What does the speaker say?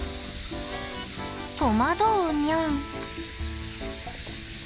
戸惑うニャン。